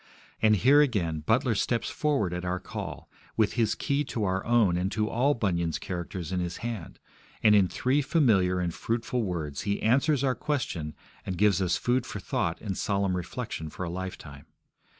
And here, again, Butler steps forward at our call with his key to our own and to all Bunyan's characters in his hand, and in three familiar and fruitful words he answers our question and gives us food for thought and solemn reflection for a lifetime.